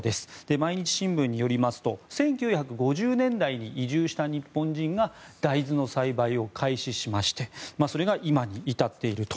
毎日新聞によりますと１９５０年代に移住した日本人が大豆の栽培を開始しましてそれが今に至っていると。